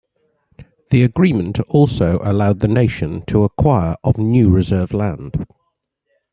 The agreement also allowed the Nation to acquire of new reserve land.